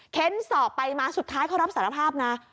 ้นสอบไปมาสุดท้ายเขารับสารภาพนะ